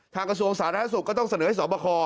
กระทรวงสาธารณสุขก็ต้องเสนอให้สอบคอ